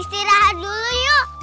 istirahat dulu yuk